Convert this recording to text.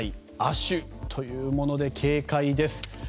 亜種というもので警戒です。